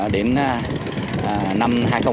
đến năm hai nghìn hai mươi hai